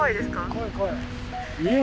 怖い怖い。